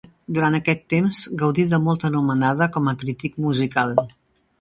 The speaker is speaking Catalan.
Durant aquest temps gaudí de molta anomenada com a crític musical.